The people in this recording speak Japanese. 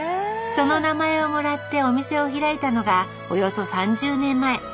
その名前をもらってお店を開いたのがおよそ３０年前。